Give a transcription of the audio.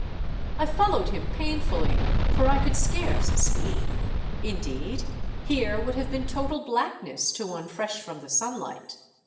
I followed him painfully, for I could scarce see ; indeed, here would have been total blackness to one fresh from the sunlight.